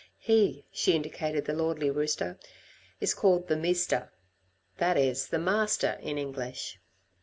He" she indicated the lordly rooster "is called the Meester that is the Master in English."